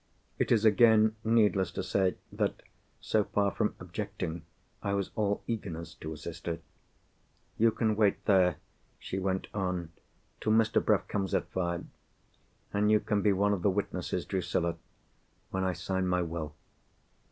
It is again needless to say that, so far from objecting, I was all eagerness to assist her. "You can wait here," she went on, "till Mr. Bruff comes at five. And you can be one of the witnesses, Drusilla, when I sign my Will."